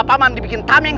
tapi mari milik dengan contoh